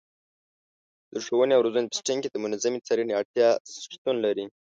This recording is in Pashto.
د ښوونې او روزنې په سیستم کې د منظمې څارنې اړتیا شتون لري.